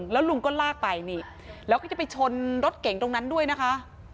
แล้วลุงก็ลากไปนี่แล้วก็จะไปชนรถเก่งตรงนั้นด้วยนะคะ